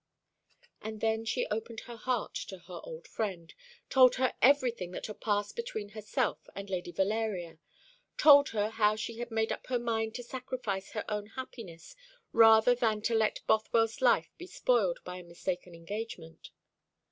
And then she opened her heart to her old friend told her everything that had passed between herself and Lady Valeria told her how she had made up her mind to sacrifice her own happiness rather than to let Bothwell's life be spoiled by a mistaken engagement.